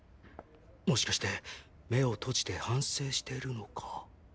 もしかして目を閉じて反省してるのか？